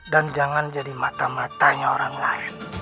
dan jangan jadi mata matanya orang lain